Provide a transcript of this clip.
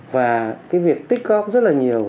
và cái việc tích góp rất là nhiều